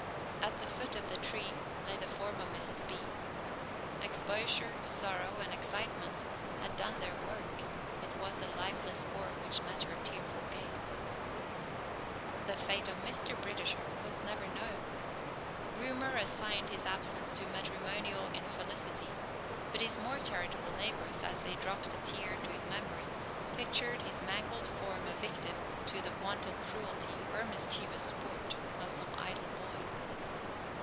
At the foot of the tree lay the form of Mrs. B. Exposure, sorrow, and excitement had done their work. It was a lifeless form which met her tearful gaze. The fate of Mr. Britisher was never known. Rumor assigned his absence to matrimonial infelicity, but his more charitable neighbors, as they dropped a tear to his memory, pictured his mangled form a victim to the wanton cruelty or mischievous sport of some idle boy.